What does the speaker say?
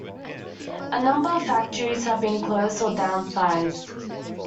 A number of factories have been closed or downsized.